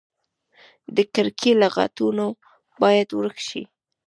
د کرکې لغتونه باید ورک شي.